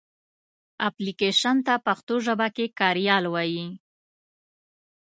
اپلکېشن ته پښتو ژبه کې کاریال وایې.